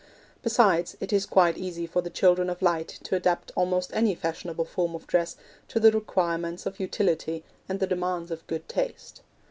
Besides, it is quite easy for the children of light to adapt almost any fashionable form of dress to the requirements of utility and the demands of good taste.